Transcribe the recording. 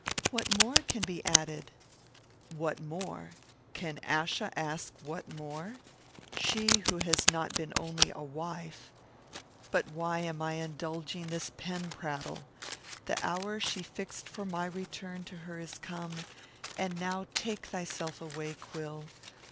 "What more can be added?" "What more? Can Achsa ask what more? She who has not been only a wife " But why am I indulging this pen prattle? The hour she fixed for my return to her is come, and now take thyself away, quill.